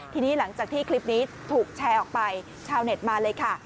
ทีนี้หลังจากที่คลิปนี้ถูกแชร์ออกไปชาวเน็ตมาเลยค่ะ